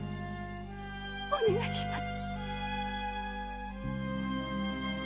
お願いします！